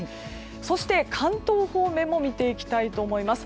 そして、関東方面も見ていきたいと思います。